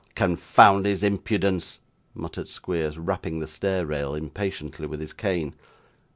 'Confound his impudence!' muttered Squeers, rapping the stair rail impatiently with his cane.